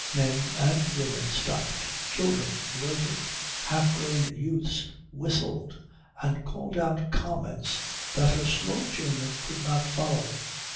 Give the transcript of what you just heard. Men and women stopped, children loitered, half grown youths whistled and called out comments that her slow German could not follow.